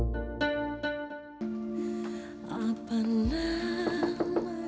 maaf pak riri nya ada